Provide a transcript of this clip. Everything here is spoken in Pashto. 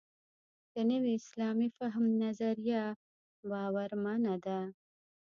د نوي اسلامي فهم نظریه باورمنه ده.